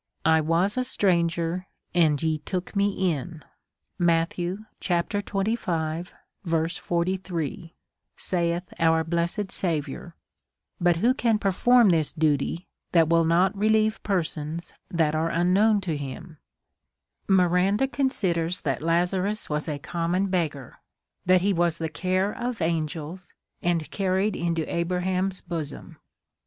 1 teas a stran ger, and ye took me in, saith our blessed Saviour ;~l3iit who can perform this duty that will not reheve per sons that are unknown to him. Miranda considers that Lazarus was a common beg gar, that he was the care of angels, and carried into Abraham's bosom.